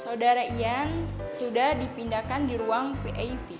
saudara ian sudah dipindahkan di ruang vip